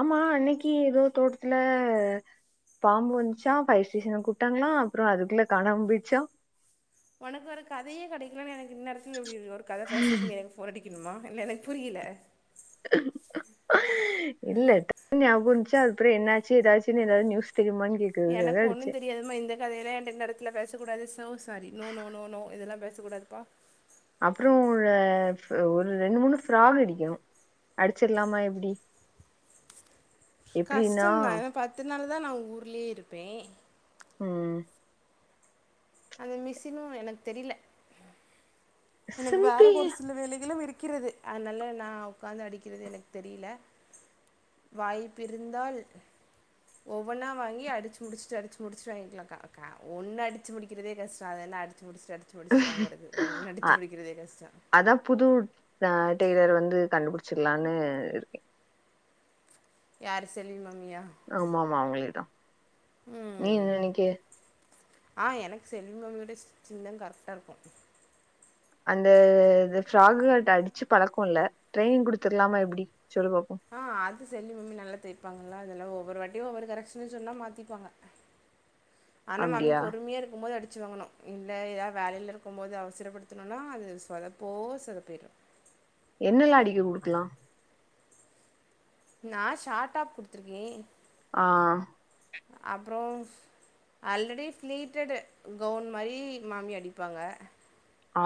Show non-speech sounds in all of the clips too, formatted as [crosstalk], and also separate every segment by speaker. Speaker 1: ஆமா அன்னைக்கு ஏதோ தோட்டத்துல பாம்பு வந்துச்சா ஃபையர் ஸ்டேஷன்ன கூட்டாங்களா அப்பற அதுக்குள்ள காணாம்போய்டுச்சா
Speaker 2: உனக்கு ஒரு கதையே கெடைக்கலனு எனக்கு இன்நேரத்துல இப்டி ஒரு கத பேசுதுக்குன்னே போறடிக்கணுமா இல்ல எனக்கு புரியல
Speaker 1: இல்ல டக்குனு ஞாபக வந்ச்சு அதுப்பற என்னாச்சு எதாச்சுன்னு எதாவது நியூஸ் தெரியுமானு கே
Speaker 2: எனக்கு ஒண்ணு தெரியாதுமா இந்த அதலா ஏண்ட இந்த எடத்துல பேசக்கூடாது so sorry no no no no இதெல்லா பேசக்கூடாதுப்பா
Speaker 1: அப்பறோ ஒரு ஒரு ரெண்டு மூணு ஃப்ராக் அடிக்கனு அடிச்சிடலாமா எப்டி எப்டின்னா
Speaker 2: கஷ்டந்தா ஏன்னா பத்து நாள் தா நா ஊர்லயே இருப்பே
Speaker 1: ம்
Speaker 2: அந்த மிஸினு எனக்கு தெரில எனக்கு வேற
Speaker 1: சிம்பி
Speaker 2: ஒரு சில வேலைகளு இருக்கிறது அதனால நா உக்காந்து அடிக்கிறது எனக்கு தெரில வாய்ப்பிருந்தால் ஒவ்வொன்னா வாங்கி அடிச்சு முடிச்சுட்டு அடிச்சு முடிச்சுட்டு வாங்கிக்கலாக்கா ஒன்னு அடிச்சு முடிக்கிறதே கஷ்டம் அத என்னா அடிச்சு முடிச்சட்டு அடிச் சி முடிச்சிட்டு வாங்கறது ஒன்னடித்
Speaker 1: அதா புது அ டெய்லர் வந்து கண்டுபிடிச்சர்லாம்னு இருக்கே
Speaker 2: யாரு செல்வி மம்மியா
Speaker 1: ஆமா ஆமா அவங்களுக்குதா நீ
Speaker 2: ம்
Speaker 1: இன்னு இன்னைக்கு
Speaker 2: ஆ எனக்கு செல்வி் மம்மியோட ஸ்டிச்சிங்தா கரெக்டா இருக்கு
Speaker 1: அந்த ஃப்ராகு அடிச்சு பழக்க இல்ல ட்ரைனிங் குடுத்துருலாமா எப்டி சொல்லூங்கோ
Speaker 2: ஆ அது செல்வி மம்மி நல்லா தெப்பாங்களா அதல்லா ஒவ்வொரு வாட்டியு ஒவ்வொரு கரெக்ஷன் சொன்னா மாத்திப்பாங்க ஆனா மாமி
Speaker 1: அப்டியா
Speaker 2: பொறுமையா இருக்கு போது அடிச்சு வாங்கனு இல்ல ஏதாவது வேலையில இருக்கும்போது அவசரப்படுத்துநோம்ன்னா அது சொதப்போ சொதப்பிடு
Speaker 1: என்னெல்லா அடிக்க குடுக்கலா
Speaker 2: நா ஷார்ட்டா குடுத்துருக்கே
Speaker 1: ஆ
Speaker 2: அப்பறோம் ஆல்ரெடி ஃப்ளீட்டட்டு கவுன் மாரி மாமி அடிப்பாங்க
Speaker 1: ஆ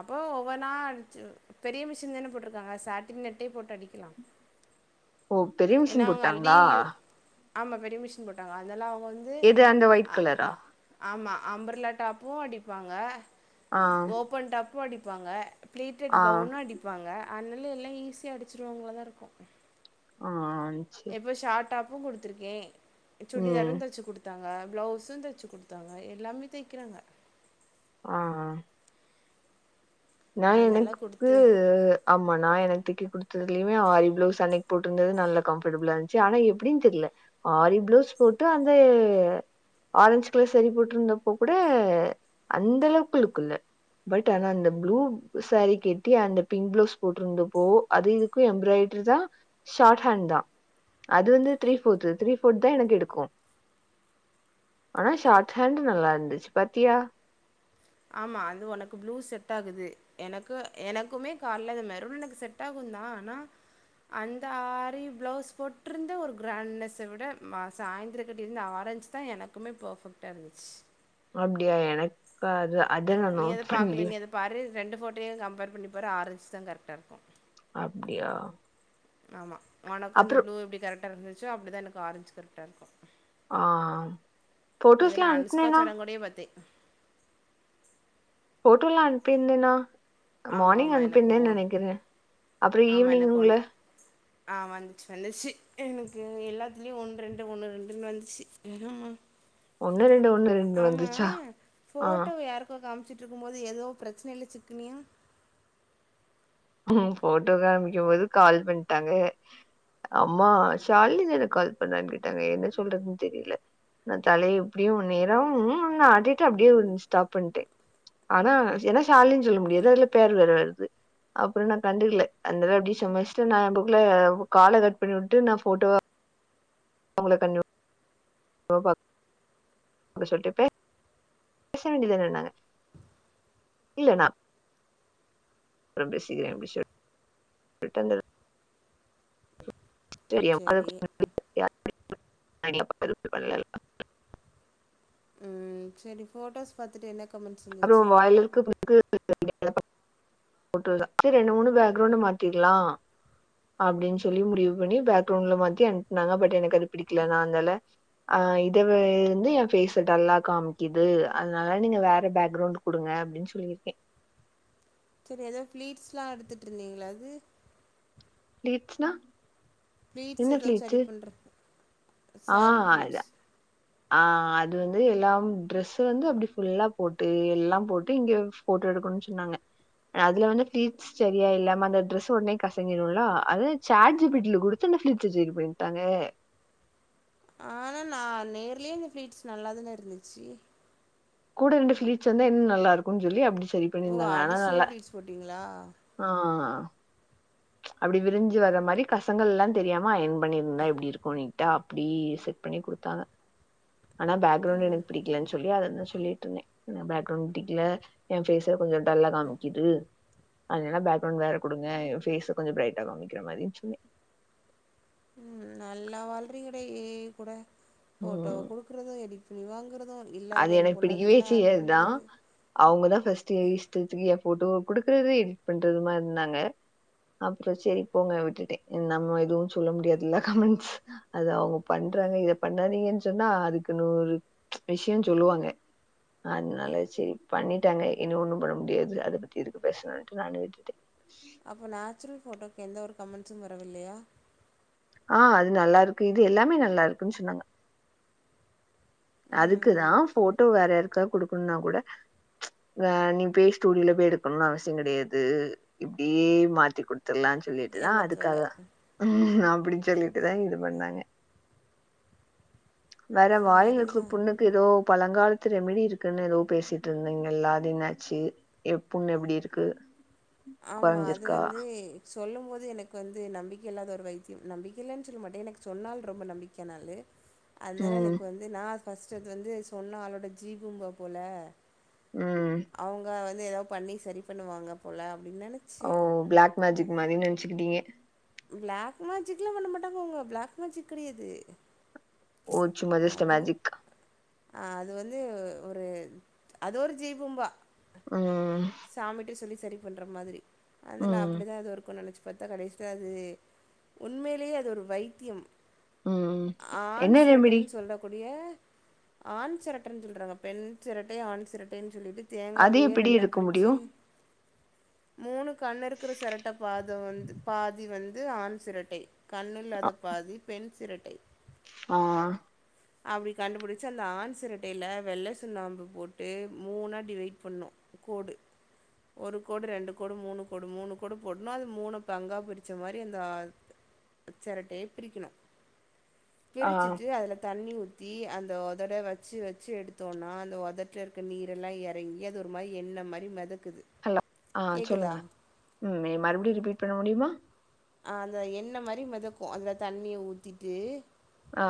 Speaker 2: அப்போ ஒவ்வொன்னா அடிச்ச பெரிய மிஷின் தானே போட்டிருக்காங்க சாட்டின் நட்டே போட்டு அடிக்கலா
Speaker 1: ஓ பெரிய
Speaker 2: ஏன்னா
Speaker 1: மிஷின்
Speaker 2: அவங்க ஆல்ரெடி
Speaker 1: போட்டாங்களா
Speaker 2: ஆமா பெரிய மிஷின் போட்டாங்க அதனால அவங்க வந்து
Speaker 1: இது அந்த ஒயிட்
Speaker 2: அ
Speaker 1: கலரா
Speaker 2: ஆமா அம்பர்லா டாப்பு அடிப்பாங்க
Speaker 1: ஆ
Speaker 2: ஓப்பன் டாப்பு அடிப்பாங்க பிளிட்டடு
Speaker 1: ஆ
Speaker 2: கவுன்னு அடிப்பாங்க அதனால எல்லா ஈஸிய அடிச்சடுவாங்களதா இருக்கு
Speaker 1: ஆஹ்ன்
Speaker 2: எப்போ ஷாட் டாப்பு குடுத்துருக்கே சுடிதாரு
Speaker 1: ம்
Speaker 2: தச்சு குடுத் குடுத்தாங்க பிளவுஸு தெச்சு குடுத்தாங்க எல்லாமே தைக்கிறாங்க
Speaker 1: ஆ நா
Speaker 2: அதனால
Speaker 1: எனக்கு கூ
Speaker 2: குடுத்து
Speaker 1: ஆமா நா எனக்கு தெக்க குடுத்ததுலயுமே ஆரி பிளவுஸ் அன்னைக்கு போட்டுருந்தது நல்ல கம்ஃர்டபிளா இருந்துச்சு ஆனா எப்டினு தெரில ஆரி பிளவுஸ் போட்டு அந்த ஆரஞ்சு கலர் சேரி போட்ருந்தப்போ கூட அந்தளவுக்கு லுக்குல்ல பட் ஆனா அந்த ப்ளூ சாரி கெட்டி அந்த பிங்க் பிளவுஸ் போட்ருந்தப்போ அது இதுக்கு எம்ப்ராய்டரி தா ஷார்ட் ஹேண்ட் தா அது வந்து த்ரீ ஃபோர்து த்ரீ ஃபோர்த் தா எனக்கு எடுக்கும் ஆனா ஷார்ட்ஹேண்டு நல்லா இருந்துச்சு பாத்தியா
Speaker 2: ஆமா அது ஒனக்கு ப்ளூ செட் ஆகுது எனக்கு எனக்குமே கால்ல அந்த மெரூன் எனக்கு செட் ஆகுந்தா ஆனா அந்த ஆரி ப்ளவுஸ் போட்ருந்த ஒரு கிராண்ட்னஸ்ஸ விட மா சாய்ந்தர கட்டிருந்து ஆரஞ்ச் தா எனக்குமே பேர்ஃபெக்ட்டா இருந்துச்
Speaker 1: அப்டியா எனக் அது அத நா
Speaker 2: நீ அதை
Speaker 1: நோட்
Speaker 2: பாக்கல
Speaker 1: பண்ல
Speaker 2: நீ அதை பாரு ரெண்டு ஃபோட்டோயு கம்பேர் பண்ணி பாரு ஆரஞ்சுதா கரெக்டா இருக்கு
Speaker 1: அப்டியா
Speaker 2: ஆமா ஒனக்கு அந்த
Speaker 1: அப்புறம்
Speaker 2: ப்ளூ எப்டி கரட்டா இருந்துச்சோ அப்டிதா எனக்கு ஆரஞ்சு கரட்டா இருக்கு
Speaker 1: ஆ
Speaker 2: இதுனா
Speaker 1: போட்டோஸ்லாம்
Speaker 2: அனுஸ்கா
Speaker 1: அனுப்புனேனா
Speaker 2: சடங்கோடயே பாத்தே
Speaker 1: போட்டோல அனுப்பீர்ந்தேனா
Speaker 2: ஆமாம்
Speaker 1: மார்னிங் அனுப்பீந்தே நெனக்கிறே
Speaker 2: ஆமா எனக்கொண்ணு ஆ வந்துச்சு வந்துச்சு எனக்கு எல்லாத்துலயு ஒன் ரெண்டு ஒன்னு ரெண்டுன்னு வந்துச்சு
Speaker 1: ஒண்ணு ரெண்டு ஒண்ணு ரெண்டு
Speaker 2: [unintelligible] ஆமா
Speaker 1: வந்துச்சா ஆ
Speaker 2: ஃபோட்டோவ யாரோ கோ காம்ச்சிட்ருக்கும் போது எதோ ப்ரெச்சனைல சிக்குனியா
Speaker 1: ஹ்ம் ஃபோட்டோ காமிக்கும் போது கால் பண்ட்டாங்க அம்மா ஷாலினி னு எதுக்கால் பண்ணான்னு கேட்டாங்க என்ன சொல்றதுன் தெரில நா தலய இப்டியு நேரா ம் னு ஆட்டிட்டு அப்டியே ஸ்டாப் பண்ட்டே ஆனா ஏன்னா ஷாலினின் சொல்ல முடியாது அதுல பேரு வேற வருது அப்பறோ நா கண்டுக்ல [unintelligible] அப்டி [unintelligible] கால கட் பண்ணி உட்டு நா ஃபோட்டோவ அவுங்கள கண்ணு [unintelligible] அப்ப சொல்ட்ட பே பேச வேண்டி தான நாங்க இல்ல நா அப்றம் பேசிக்கிற அப்டி சொல் [unintelligible]
Speaker 2: சரி
Speaker 1: [inaudible]
Speaker 2: ம் சரி ஃபோட்டோஸ் பாத்துட்டு என்ன க
Speaker 1: அப்றோ வாயிலிருக்கு [inaudible] [inaudible] செரி ரெண்டு மூணு பேக்ரௌண்டு மாத்திக்கலா அப்டின் சொல்லி முடிவு பண்ணி பேக்ரெளண்ட்ல மாத்தி அனுப்புனாங்க பட் எனக்கு அது பிடிக்ல நா அந்தால ஆஹ் இத வே இருந்து என் ஃபேச டல்லா காம்க்கிது அதனால நீங்க வேற பேக்ரொளண்ட் குடுங்க அப்டின் சொல்லிருக்கே
Speaker 2: செரி எதோ ஃப்ளீட்ஸ்லா எடுத்துட்ருந்தீங்கல்ல அது
Speaker 1: ப்ளீட்ஸ்னா
Speaker 2: ப்ளீட்ஸ் எதோ சரி பண்றக்கு சாரி ப்ளீட்ஸ்
Speaker 1: ஆஹ் அது வந்து எல்லாம் ட்ரெஸ்ஸு வந்து அப்டி ஃபுல்லா போட்டு எல்லாம் போட்டு இங்க போட்டு எடுக்கணுன் சொன்னாங்க அதுல வந்து ஃப்ளீட்ஸ் சரியா இல்லாம அந்த டிரெஸ்ஸு ஒட்னே கசங்கிருல்ல அது சாட் ஜி பி டி ல குடுத்து அந்த ஃப்ளீட்ஸ சரி பன்ட்டாங்க
Speaker 2: ஆனா நா நேர்லயே அந்த ஃப்ளீட்ஸ் நல்லாதான இருந்துச்சி
Speaker 1: கூட ரெண்டு ஃப்ளீட்ஸ் வந்தா இன்னு நல்லா இருக்குனு சொல்லி அப்டி சரி
Speaker 2: ஓ
Speaker 1: பண்ணிருந்தாங்க ஆனா நல்ல
Speaker 2: அடிஷ்னல் ப்ளீட்ஸ் போட்டிங்களா
Speaker 1: ஆ ஆ அப்டி விரிஞ்சு வர்ற மாரி கசங்கல்லா தெரியாம அயன் பண்ணியிருந்தா எப்டி இருக்கு நீட் ட்டா அப்டி செட் பண்ணி குடுத்தாங்க ஆனா ஃபேக்ரவுண்ட் எனக்கு பிடிக்கலன் சொல்லி அத தா சொல்லி ட்ருந்தே ஃபேக்ரவுண்ட் பிடிக்ல ஏ ஃபேஷுல கொஞ்சோ டல்லா காமிக்கிது அதுனால ஃபேக்ரவுண்ட் வேற குடுங்க ஏ ஃபேஸ கொஞ்சோ ப்ரைட்டா காமிக்கிற மாதிரின் சொன்னே
Speaker 2: ம் நல்லா வாழ்றீங்கடே ஏ ஐ கூட போட்டோவ
Speaker 1: ம்
Speaker 2: குடுக்கறதும் எடிட் பண்ணி வாங்கறதும் இல்
Speaker 1: அது எனக்கு பிடிக்கவே செய்யாதுதா அவுங்கதா ஃபர்ஸ்ட்டு ஏ இஷ்டத்துக்கு ஏ போட்டோவ குடுக்குறது எடிட் பண்றதுமா இருந்தாங்க அப்றோ சேரி போங்க விட்டுட்டே நம்ம எதுவும் சொல்ல முடியாதுல்ல கமெண்ட்ஸ் அத அவுங் பண்றாங்க இத பண்ணாதீங்கன் சொன்னா அதுக்கு நூறு விஷயோ சொல்லுவாங்க அதுனால சேரி பண்ணிட்டாங்க இனி ஒண்ணு பண்ண முடியாது அத பத்தி எதுக்கு பேசணுன்ட்டு நானு விட்டுட்டே
Speaker 2: அப்போ நேச்சுரல் போட்டோவுக்கு எந்த ஒரு கமெண்ட்ஸும் வரவில்லையா
Speaker 1: ஆ அது நல்லா இருக்கு இது எல்லாமே நல்லா இருக்குன்னு சொன்னாங்க
Speaker 2: ம்
Speaker 1: அதுக்குதா போட்டோ வேற யாருக்காக குடுக்கணுனா கூட ஆ நீ போய் ஸ்டூடியோல போய் எடுக்கணுன்னு அவசியோ கெடையாது இப்டியே மாத்தி குடுத்துர்லான் சொல்லிட்டுதா
Speaker 2: ஏமாத்து வேல
Speaker 1: அதுக்காக ம் அப்டி சொல்லிட்டுதா இது பண்ணாங்க வேற வாயிலருக்குற
Speaker 2: சரிதா
Speaker 1: புண்ணு க்கு எதோ பழங்காலத்து ரெமிடி இருக்குன்னு எதோ பேசிட்டு இருந்தீங்கல்ல அது இன்னாச்சு ஏ புண்ணு எப்டி இருக்கு
Speaker 2: ஆமா அது
Speaker 1: கொறஞ்சிருக்கா?
Speaker 2: வந்து சொல்லும்போது எனக்கு வந்து நம்பிக்கை இல்லாத ஒரு வைத்தியம் நம்பிக்க இல்லேன்னு சொல்ல மாட்டே எனக்கு சொன்னாலு ரொம்ப நம்பிக்க நாலு அதுனால
Speaker 1: ம்.
Speaker 2: எனக்கு வந்து நா ஃபர்ஸ்ட்டு அது வந்து சொன்ன ஆளோட ஜீபூம்பா போல
Speaker 1: ம்.
Speaker 2: அவுங்க வந்து எதாவது பண்ணி சரி பண்ணுவாங்க போல அப்டி நெனச்
Speaker 1: ஓ ஃப்ளாக் மேஜிக் மாரினு நெனச்சுக்கிட்டீங்க
Speaker 2: ஃப்ளாக் மேஜிக்லா பண்ண மாட்டாங்க அவுங்க ப்ளாக் மேஜிக் கெடையாது
Speaker 1: ஓச்சும் மஜிஸ்ட்டா மேஜிக்
Speaker 2: அது வந்து ஒரு அது ஒரு ஜீபூம்பா
Speaker 1: ஆ உம்
Speaker 2: சாமிட்ட சொல்லி சரி பண்ற மாதிரி அதுல
Speaker 1: ம்.
Speaker 2: அப்டிதா எதோ இருக்குன் நெனச் சுப் பாத்தா கடைசில அது உண்மையிலேயே அது ஒரு வைத்தியம்
Speaker 1: ம்.
Speaker 2: ஆண்
Speaker 1: என்ன ரெமிடி?
Speaker 2: சிரட்டையின் சொல்லக் கூடிய ஆண் சிரட்டன் சொல்றாங்க பெண் சிரட்டை ஆண் சிரட்டையின் சொல்லிட்டு
Speaker 1: அது
Speaker 2: தேங்காவையே
Speaker 1: எப்டி
Speaker 2: ரெண்டா
Speaker 1: எடுக்க
Speaker 2: பிரிக்
Speaker 1: முடியு
Speaker 2: மூணு கண்ண இருக்குற சிரட்ட பாதோ வந்து பாதி வந்து ஆண் சிரட்டை கண்ணு இல்லாத பாதி பெண் சிரட்டை
Speaker 1: ஆ ஆ
Speaker 2: அப்டி கண்டுபுடிச்சு அந்த ஆண் சிரட்டையில வெள்ளை சுண்ணாம்பு போட்டு மூணா டிவைட் பண்ணோ கோடு ஒரு கோடு ரெண்டு கோடு மூணு கோடு மூணு கோடு போட்ணு அது மூணு பங்கா பிரிச்ச மாரி அந்த ஆ செரட்டைய பிரிக்கணு
Speaker 1: ஆ
Speaker 2: பிரிச்சுட்டு அதுல தண்ணி ஊத்தி அந்த உதட வச்சு வச்சு எடுத்தோனா அந்த உதட்டுல இருக்க நீரெல்லா எறங் ட்ரையா அது ஒரு மாரி எண்ண மாரி மெதக்குது
Speaker 1: ஹலோ ஆ
Speaker 2: கேக்குதா
Speaker 1: சொல்லுங்க ம் நீ மறுபடியு ரிபீட் பண்ண முடியுமா
Speaker 2: ஆ அந்த என்ன மாரி மெதக்கு அதுல தண்ணிய ஊத்திட்டு
Speaker 1: ஆ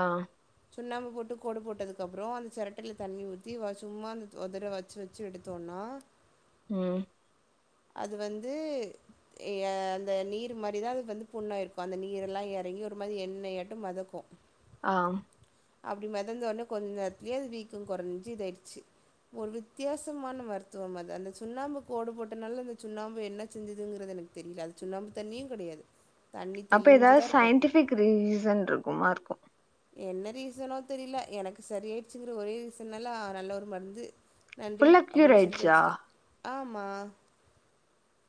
Speaker 2: சுண்ணாம்ப போட்டு கோடு போட்டதுக்க அப்றோ அந்த சிரட்டையில் தண்ணி ஊற்றி சும்மா அந்த ஒருதர வெச் வெச்சு வெச்சு எடுத்தோனா
Speaker 1: ம்
Speaker 2: அது வந்து அந்த ஆ நீர் மாரி விரல் வந்து புண்ணா இருக்கு அந்த நீரெல்லா எறங்கி ஒரு மாரி எண்ணெயாட்டு மெதக்கு
Speaker 1: ஆ
Speaker 2: அப்டி மெதந்தோடனே கொஞ்சோ நேரத்துலயே அது வீக்கு கொறஞ்சு இதா ஆயிடுச்சு ஒரு வித்தியாசமான மருத்துவம் அது அந்த சுண்ணாம்பு கோடு போட்டனால அந்த சுண்ணாம்பு என்ன செஞ்சதுங்கிறது எனக் தெரில அது சுண்ணாம்பு தண்ணியு கெடயாது
Speaker 1: அப்ப எதாவது சயின்டிஃபிக் ரீசன் இருக்குமா இருக்கு
Speaker 2: என்ன ரீசனோ தெரில எனக்கு செரி ஆயிடுச்சுங்கிற ஒரே ரீசன்னால நல்ல ஒரு மருந்து நன்றி
Speaker 1: ஃபுல்லா கியூர்
Speaker 2: அப்டின்னு சொல்லிட்டு
Speaker 1: ஆயிடுச்சா
Speaker 2: வெச்சுட்டே ஆமா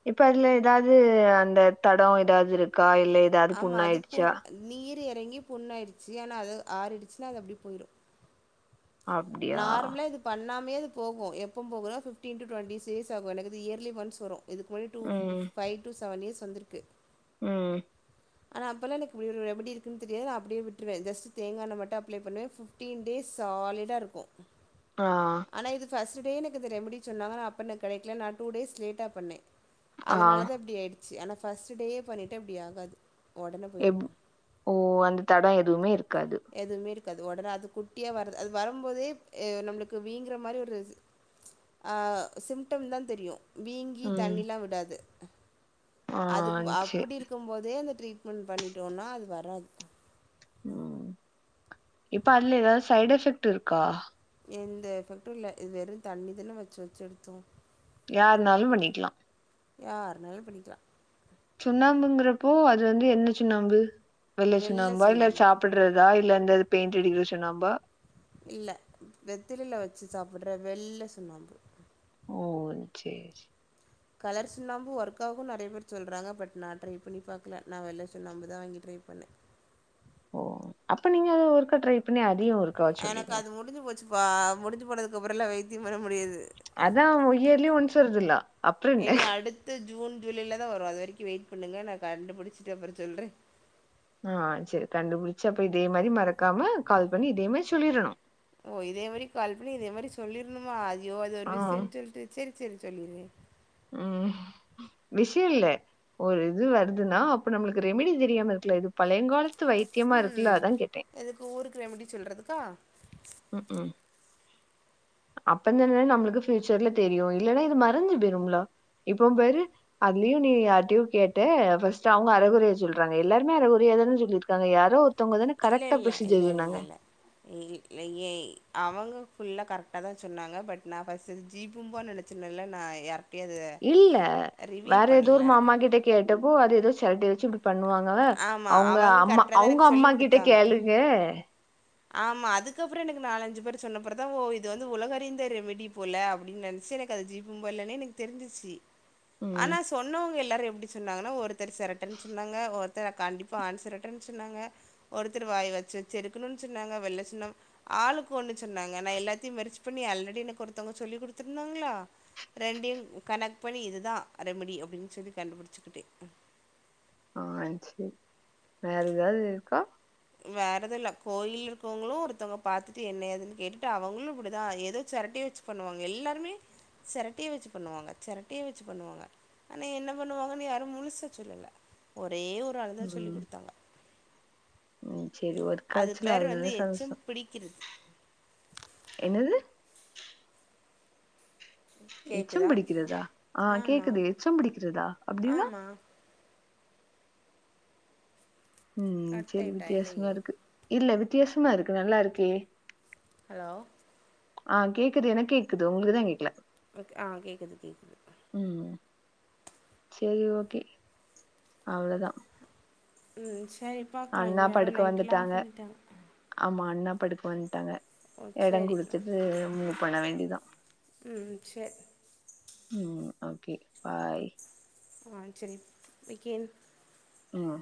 Speaker 1: இப்ப அதுல எதாவ்து அந்த தடோ எதாவது இருக்கா இல்ல ஏதாவது
Speaker 2: ஆமா அது புண்
Speaker 1: புண்ணாயிடுச்சா
Speaker 2: நீர் எறங்கி புண்ணாயிடுச்சு ஆனா அது ஆறிடுச்சுனா அது அப்டியே போயிடு
Speaker 1: அப்டியா
Speaker 2: நார்மலா இதுக் பண்ணாமே அது போகு எப்போ போகுனா ஃபிப்டீ டூ டுவென்டி சீஸ் ஆக எனக்கு இயர்லி ஒன்ஸ் வரு இதுக்கு முன்னடி டூ
Speaker 1: ம்
Speaker 2: ஃபைவ் டூ செவன் இயர்ஸ் வந்திருக்கு
Speaker 1: ம்
Speaker 2: ஆனா அப்பொல்லா எனக்கு இப்பிடி ஒரு ரெமடி இருக்கு தெரியாது அப்டியே விட்டுவே ஜஸ்ட் தேங்காய் எண்ண மட்டு அப்ளே பண்ணுவ ஃபிப் ஃபிப்டீன் டேஸ் சாலிட்டா இருக்கு
Speaker 1: ஆ
Speaker 2: ஆனா இது ஃபஸ்ட டே எனக்கு இந்த ரெமடி சொன்னாங்க நா அப்ப எனக்கு கெடைக்கல நா டூ டேஸ் லேட்டா பண்ணே
Speaker 1: ஆ
Speaker 2: அதுனால தா இப்பிடி ஆயிடுச்சு ஆனா ஃபஸ்டு டேயே பண்ணிட்டா இப்டி ஆகாது உடனே
Speaker 1: எப்
Speaker 2: போயிடும்
Speaker 1: ஓ அந்த தடோ எதுவுமே இருக்காது
Speaker 2: எதுவுமே இருக்காது ஒடனே அது குட்டியா வர்து அது வரும்போதே நம்மளுக்கு வீங்குற மாரி ஒரு ஆ சிம்டம் தா தெரியு வீங்கி
Speaker 1: ம்
Speaker 2: தண்ணில்லா விடாது
Speaker 1: ஆ
Speaker 2: அதுக்கு
Speaker 1: சேரி
Speaker 2: அப்பிடி இருக்கும்போதே அந்த ட்ரீட்மெண்ட் பண்ணிட்டோன்னா அது வராது
Speaker 1: ம் இப்ப அதுல எதாவது சைடு் எஃபெக்ட் இருக்கா
Speaker 2: எந்த எஃப்பெக்ட்டு இல்ல இது வெறு தண்ணி இதுல்லா வெச்சு வெச்சு எடுத்தோ
Speaker 1: யாருனாலு பண்ணிக்கலா
Speaker 2: யாருனாலு பண்ணிக்கலா
Speaker 1: சுண்ணாம்புங்கிறப்போ அது வந்து என்ன சுண்ணாம்பு வெள்ள
Speaker 2: வெள்ளை
Speaker 1: சுண்ணாம்பா இல்ல
Speaker 2: சுண்ணாம்பு
Speaker 1: சாப்பிடுறதா இல்ல இந்த பெயிண்ட் அடிக்கிற சுண்ணாம்பா
Speaker 2: இல்ல வெத்தலில வெச்சு சாப்பிடுற வெள்ள சுண்ணாம்பு
Speaker 1: ஓ சேரி
Speaker 2: கலர் சுண்ணாம்பு ஒர்க்காகுனு நெறய பேர் சொல்றாங்க பட் நா ட்ரை பண்ண பாக்கல நா வெள்ள சுண்ணாம்பு தா வாங்கி ட்ரை பண்ணே
Speaker 1: ஓ அப்ப நீங்க அத ஒருக்கா ட்ரை பண்ணி அதையு ஒருக்கா சொல்லிடுங்க
Speaker 2: முடிச்சு போச்சு ப்பா முடிச்சு போனதுக்கு அப்றோயெல்லா வைத்தியம் பண்ண முடியாது
Speaker 1: அதா இயர்லி ஒன்ஸ் வருதுல்ல அப்றோ என்ன
Speaker 2: இனி அடுத்து ஜூன் ஜூலையில தா வரு அது வரைக்கு வெயிட் பண்ணுங்க நா கண்டு புடிச்சிட்டு அப்றோ சொல்றே
Speaker 1: ஆ செரி கண்டுபிடிச்சு அப்ப இதே மாரி மறக்காம கால் பண்ணி இதே மாரி சொல்லிரணு
Speaker 2: ஓ இதே மாரி கால் பண்ணி இதே மாரி சொல்லிருணுமா ஐயோ அது ஒரு
Speaker 1: ஆ
Speaker 2: விஷயன்னுட்டு சொல்லிட்டு சேரி சேரி சொல்லிரே
Speaker 1: ம் விஷய இல்ல ஒரு இது வருதுன்னா அப்ப நம்மளுக்கு ரெமிடி தெரியாம இருக்கல இது பழயங்கால
Speaker 2: ம் எதுக்கு ஊருக்கு ரெமடி சொல்றதுக்கா
Speaker 1: ம்ஹூம் அப்பந்தான நம்மளுக்கு ஃப்யூச்சர்ல தெரியு இல்லன்னா இது மறந்து போயிரும்மிலா இப்போம் பாரு அதுலயு நீ யார்ட்டியையு கேட்ட ஃபர்ஸ்ட் அவங்க அறகொறைய சொல்றாங்க எல்லாருமே அரகுறையாதானு சொல்லியிருக்காங்க யாரோ ஒரு மத்தவங்கதானே கரெட்டா புரசீஜர் சொன்னாங்க
Speaker 2: இல்லயே அவங்க ஃபுல்லா கரெக்டாக தா சொன்னாங்க பட் நா ஃபஸ்ட் ஜீபும்பானு நெனச் சின்ன எல்லா இல்ல எர்
Speaker 1: இல்ல வேற எதோ ஒரு மாமா கிட்ட கேட்டப்போ அது ஏதோ செரட்டி வச்சு இப்டி பண்ணுவாங்கல்ல
Speaker 2: ஆமா
Speaker 1: அவ்ங்க
Speaker 2: அவங்க
Speaker 1: அம்மா
Speaker 2: கரெக்டா தான்
Speaker 1: அவ்ங்க
Speaker 2: எனக்கு
Speaker 1: அம்மா
Speaker 2: சொல்லிக்
Speaker 1: கிட்ட
Speaker 2: குடுத்தாங்க
Speaker 1: கேளுங்க
Speaker 2: ஆமா அதுக்கப்புற எனக்கு நாலஞ்சு பேர் சொன்னப்புறதா ஓ இது வந்து உலகறிந்த ரெமிடி போல அப்டின்னு நெனைச்சு எனக் அது ஜீபூம்பா இல்லன்னே எனக்கு தெரிஞ்சுச்சு
Speaker 1: ம்
Speaker 2: ஆனா சொன்னவங்க எல்லாரு எப்டி சொன்னாங்கன்னா ஒருத்தர் செரட்டேன்னு சொன்னாங்க ஒருத்தரை கண்டிப்பாக ஆன் செரட்டேன்னு சொன்னாங்க ஒருத்தரு வாய் வச்சு செருக்கணுனு சொன்னாங்க வெள்ளசின்னம் ஆளுக்கு ஒன்னு சொன்னாங்க நா எல்லாத்தையு மெர்ச்சு பண்ணி ஆல்ரெடி எனக்கு ஒருத்தவங்க சொல்லி குடுத்தருந்தாங்களா ரெண்டையு கனெக்ட் பண்ணி இது தா ரெமடி அப்டின்னு சொல்லி கண்டுபிடிச்சிக்கிடே
Speaker 1: ஆ செரி வேற ஏதாவது இருக்கா
Speaker 2: வேற எது இல்ல கோயிலி இருக்கவங்களு ஒருத்தவங்க பாத்துட்டு என்ன ஏதுன்னு கேட்டுட்டு அவங்களு இப்டிதா ஏதோ செரட்டைய வச்சு பண்ணுவாங்க எல்லாருமே செரட்டைய வெச்சு பண்ணுவாங்க செரட்டைய வெச்சு பண்ணுவாங்க ஆனா என்ன பண்ணுவாங்கன்னு யாரும் முழுசா சொல்லல ஒரே ஒரு ஆளு தா சொல்லி்
Speaker 1: ம்
Speaker 2: குடுத்தாங்க
Speaker 1: ம் செரி ஒர்
Speaker 2: அது பேர் வந்து எச்சம் பிடிக்கிறது
Speaker 1: என்னது எச்சம்
Speaker 2: கேக்குதா
Speaker 1: பிடிக்கிறதா ஆ
Speaker 2: ஆமா
Speaker 1: கேக்குது எச்சம் பிடிக்கிறதா அப்டின்னா
Speaker 2: ஆமா
Speaker 1: ம்
Speaker 2: கட்
Speaker 1: செரி
Speaker 2: ஆயிட்டா
Speaker 1: வித்தியாசமா
Speaker 2: இல்லையே
Speaker 1: இருக்கு இல்ல வித்தியாசமா இருக்கு நல்லா இருக்கே
Speaker 2: ஹலோ
Speaker 1: ஆ கேக்குது எனக்கு கேக்குது உங்களுக்குதா கேக்கல
Speaker 2: ஓக் ஆ கேக்குது கேக்குது
Speaker 1: ம் செரி ஓகே அவ்ளதா
Speaker 2: ம் சரி பாக்கலா
Speaker 1: அண்ணா
Speaker 2: இங்க யாரோ
Speaker 1: படுக்க
Speaker 2: லைட்டெலா ஆஃப்
Speaker 1: வந்துட்டாங்க
Speaker 2: பண்ணிட்டாங்க
Speaker 1: ஆமா அண்ணா படுக்க வந்ட்டாங்க
Speaker 2: ஓ
Speaker 1: எடோ
Speaker 2: சரி
Speaker 1: குடுத்துட்டு மூவு பண்ண வேண்டிதா
Speaker 2: ம் செர்
Speaker 1: ம் ஓகே பாய்
Speaker 2: ஆ செரி போய் கேள்
Speaker 1: ம்